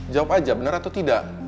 jawab aja benar atau tidak